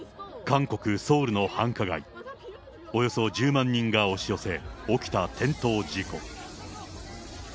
韓国・ソウルの繁華街、およそ１０万人が押し寄せ、起きた転倒事故。